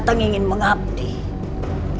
tapi aku ingin materiasi